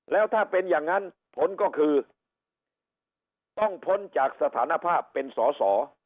แล้วถ้าเป็นอย่างนั้นผลก็คือต้องพ้นจากสถานภาพเป็นสอสอ